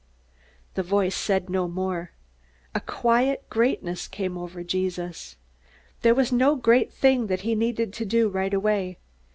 '" The voice said no more. A great quietness came over Jesus. There was no great thing that he needed to do right away.